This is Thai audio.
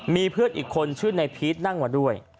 มีเพื่อนอีกคนชื่อในพีชนั่งมาด้วย